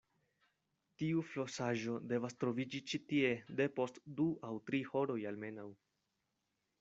Tiu flosaĵo devas troviĝi ĉi tie depost du aŭ tri horoj almenaŭ.